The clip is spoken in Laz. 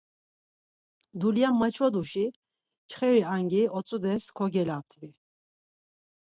Dulya maçoduşi, çxeri angi otzudes kogelabdvi.